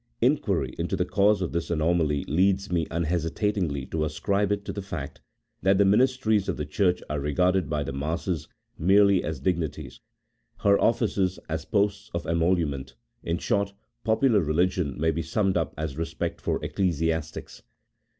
Inquiry into the cause of this anomaly leads me unhesitatingly to ascribe it to the fact, that the minis tries of the Church are regarded by the masses merely as dig nities, her offices as posts of emolument — in short, popular religion may be summed up as respect for ecclesiastics.